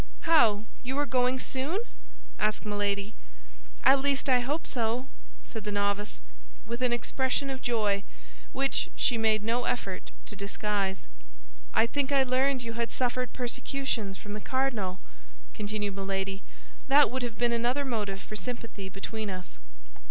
"How, you are going soon?" asked Milady. "At least I hope so," said the novice, with an expression of joy which she made no effort to disguise. "I think I learned you had suffered persecutions from the cardinal," continued Milady; "that would have been another motive for sympathy between us."